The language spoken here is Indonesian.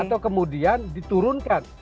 atau kemudian diturunkan